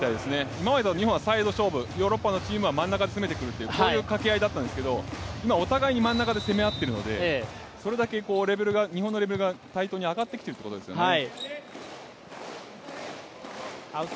今までだと日本はサイド勝負、ヨーロッパのチームは真ん中に集めてくる、こういう掛け合いだったんですけど、お互いに今、真ん中で攻め合っているので、それだけ日本のレベルが対等に上がってきているということですよね。